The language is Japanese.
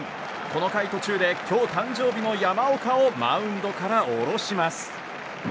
この回途中で今日、誕生日の山岡をマウンドから降ろします。